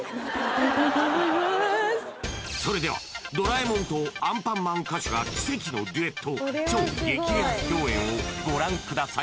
それでは「ドラえもん」と「アンパンマン」歌手が奇跡のデュエット超激レア共演をご覧ください